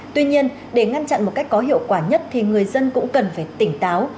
tuy nhiên để ngăn chặn một cách có hiệu quả nhất thì người dân cũng cần phải tỉnh táo